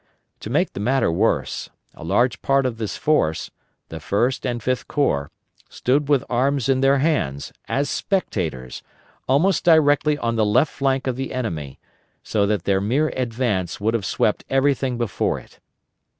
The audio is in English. To make the matter worse, a large part of this force the First and Fifth Corps stood with arms in their hands, as spectators, almost directly on the left flank of the enemy; so that their mere advance would have swept everything before it.